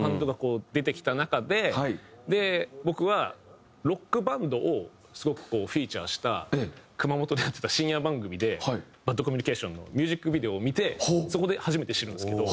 で僕はロックバンドをすごくフィーチャーした熊本でやってた深夜番組で『ＢＡＤＣＯＭＭＵＮＩＣＡＴＩＯＮ』のミュージックビデオを見てそこで初めて知るんですけど。